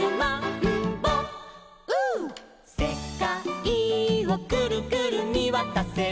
「せかいをくるくるみわたせば」